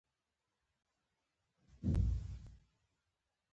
په وګړو کې زیاتوالی د ملي عاید له زیاتوالي ډېر دی.